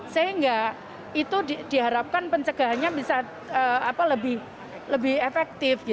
sehingga itu diharapkan pencegahannya bisa lebih efektif